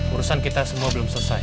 urusan kita semua belum selesai